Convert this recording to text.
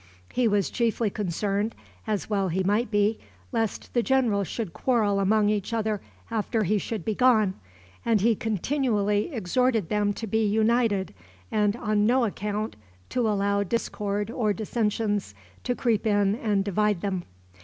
He was chiefly concerned, as well he might be, lest the generals should quarrel among each other after he should be gone, and he continually exhorted them to be united, and on no account to allow discord or dissensions to creep in and divide them.